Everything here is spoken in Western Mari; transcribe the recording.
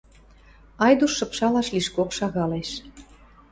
Айдуш шыпшалаш лишкок шагалеш.